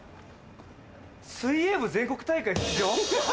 「水泳部全国大会出場」？